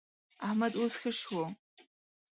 احمد اوس ښه شو.